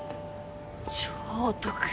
超お得。